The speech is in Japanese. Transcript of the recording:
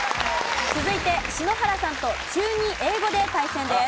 続いて篠原さんと中２英語で対戦です。